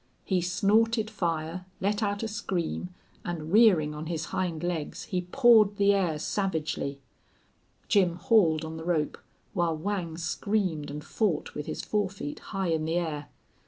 He snorted fire, let out a scream, and, rearing on his hind legs, he pawed the air savagely. Jim hauled on the rope while Whang screamed and fought with his forefeet high in the air.